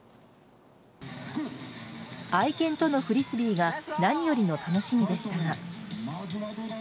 愛犬とのフリスビーが何よりの楽しみでしたが。